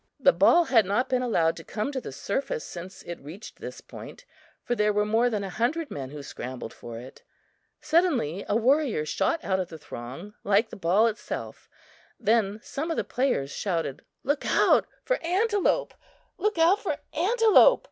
The ball had not been allowed to come to the surface since it reached this point, for there were more than a hundred men who scrambled for it. Suddenly a warrior shot out of the throng like the ball itself! Then some of the players shouted: "Look out for Antelope! Look out for Antelope!"